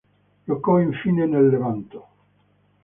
Giocò infine nel Levanto.